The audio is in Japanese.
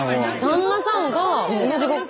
旦那さんが同じ学校。